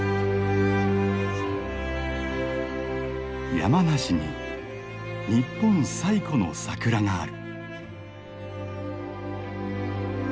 山梨に日本最古の桜がある。